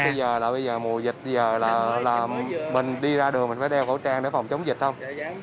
bây giờ là mùa dịch mình đi ra đường mình phải đeo khẩu trang để phòng chống dịch không